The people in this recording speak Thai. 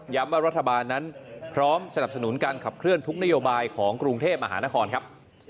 ว่ารัฐบาลนั้นพร้อมสนับสนุนการขับเคลื่อนทุกนโยบายของกรุงเทพมหานครครับ